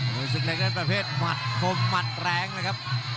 ตนุสิกเล็กเล่นประเภทหมัดแรงละครับ